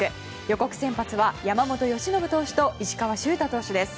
予告先発は山本由伸投手と石川柊太投手です。